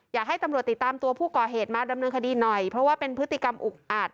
อยากให้ตำรวจติดตามตัวผู้ก่อเหตุมาดำเนินคดีหน่อยเพราะว่าเป็นพฤติกรรมอุกอาจ